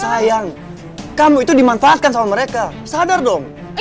sayang kamu itu dimanfaatkan sama mereka sadar dong